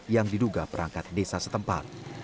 yang diduga perangkat desa setempat